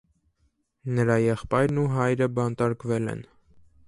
Նրա եղբայրն ու հայրը բանտարկվել են։